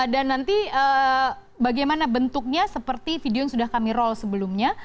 dan nanti bagaimana bentuknya seperti video yang sudah kami roll sebelumnya